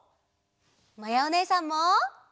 まやおねえさんも！